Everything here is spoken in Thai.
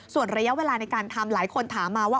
ส่วนระยะเวลาในการทำหลายคนถามมาว่า